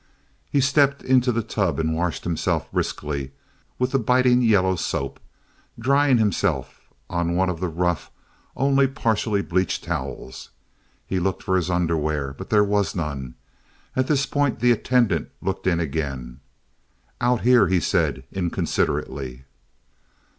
He stepped into the tub and washed himself briskly with the biting yellow soap, drying himself on one of the rough, only partially bleached towels. He looked for his underwear, but there was none. At this point the attendant looked in again. "Out here," he said, inconsiderately.